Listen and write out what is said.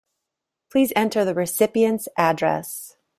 Please enter the recipient address.